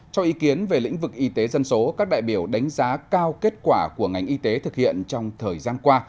cho ý kiến về lĩnh vực y tế dân số các đại biểu đánh giá cao kết quả của ngành y tế thực hiện trong thời gian qua